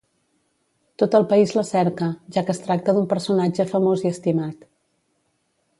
Tot el país la cerca, ja que es tracta d'un personatge famós i estimat.